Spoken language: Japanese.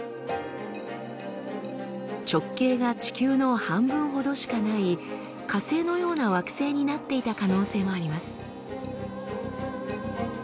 直径が地球の半分ほどしかない火星のような惑星になっていた可能性もあります。